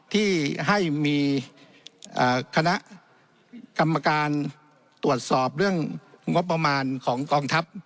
ที่ให้มีคณะกรรมการตรวจสอบเรื่องงบประมาณของกองทัพ